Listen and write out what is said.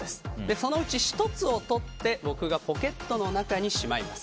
そのうち１つをとって僕がポケットの中にしまいます。